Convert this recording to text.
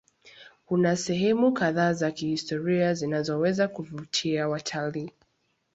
Kuna sehemu kadhaa za kihistoria zinazoweza kuvutia watalii.